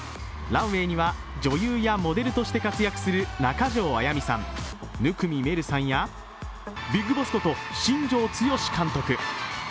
ランウェイには女優やモデルとして活躍する中条あやみさん生見愛瑠さんやビッグボスこと新庄剛志監督。